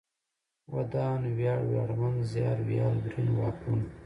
ودان ، وياړ ، وياړمن ، زيار، ويال ، ورين ، واکمن